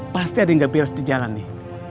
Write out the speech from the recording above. pasti ada yang gak pils di jalan nih